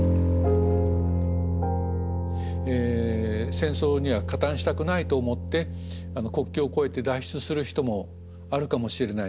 戦争には加担したくないと思って国境を越えて脱出する人もあるかもしれない。